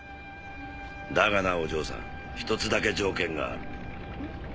だがなお嬢さん１つだけ条件がある。